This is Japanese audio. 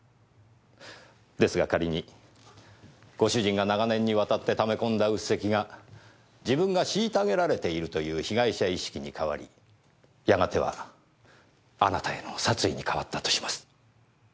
ですが仮にご主人が長年にわたって溜め込んだ鬱積が自分が虐げられているという被害者意識に変わりやがてはあなたへの殺意に変わったとします。